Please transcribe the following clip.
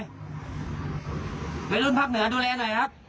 วัยรุ่นภาคเหนือดูแลหน่อยครับ